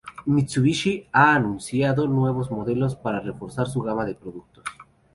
Mitsubishi ha anunciado nuevos modelos para reforzar su gama de productos.